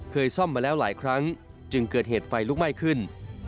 ซ่อมมาแล้วหลายครั้งจึงเกิดเหตุไฟลุกไหม้ขึ้น